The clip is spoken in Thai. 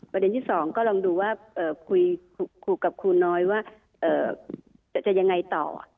ประเด็นที่๒ก็คุยกับคุณ้อยว่าจะยังไงต่อ